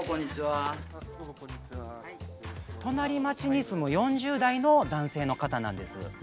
隣町に住む４０代の男性の方なんです。